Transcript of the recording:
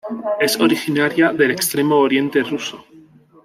Es originaria del Extremo Oriente ruso.